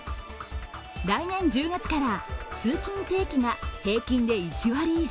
来年１０月から通勤定期が平均で１割以上、